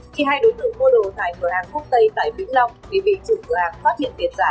khi hai đối tượng mua đồ tại cửa hàng quốc tây tại vĩnh long thì bị chủ cửa hàng phát hiện tiền giả